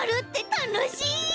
たのしい！